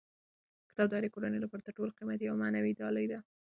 کتاب د هرې کورنۍ لپاره تر ټولو قیمتي او معنوي ډالۍ ده.